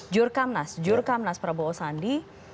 jurkamnas jurkamnas prabowo sandi